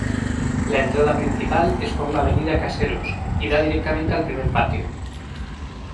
La entrada principal es por la Avenida Caseros, y da directamente al primer patio.